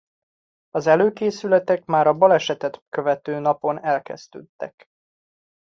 Az előkészületek már a balesetet követő napon elkezdődtek.